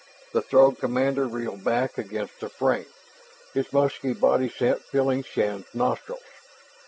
The Throg commander reeled back against the frame, his musky body scent filling Shann's nostrils.